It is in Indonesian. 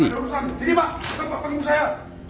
sini pak tempat penghubung saya